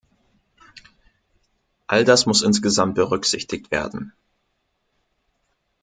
All das muss insgesamt berücksichtigt werden.